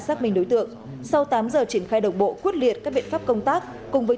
xác minh đối tượng sau tám giờ triển khai đồng bộ quyết liệt các biện pháp công tác cùng với